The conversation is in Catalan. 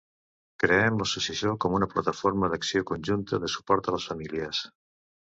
Creem l’associació com una plataforma d’acció conjunta de suport a les famílies.